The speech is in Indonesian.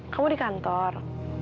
kamu di kantor